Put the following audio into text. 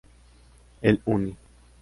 El Uni.